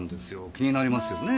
気になりますよねぇ？